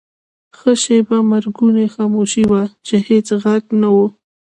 ښه شیبه مرګونې خاموشي وه، چې هېڅ ږغ نه و.